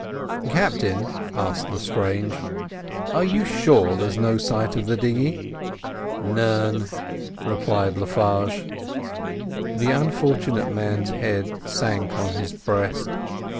"Captain," asked Lestrange, "are you sure there's no sight of the dinghy?" "None," replied Le Farge. The unfortunate man's head sank on his breast.